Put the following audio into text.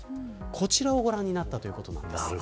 こちらをご覧になったということなんです。